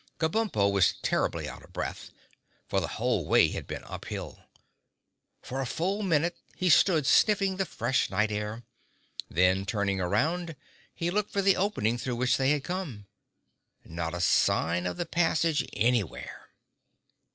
Kabumpo was terribly out of breath, for the whole way had been up hill. For a full minute he stood sniffing the fresh night air. Then, turning around, he looked for the opening through which they had come. Not a sign of the passage anywhere!